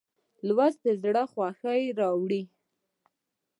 لوستل د زړه خوښي راوړي.